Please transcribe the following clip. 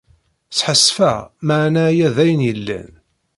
Sḥasfeɣ maɛna aya d ayen yellan.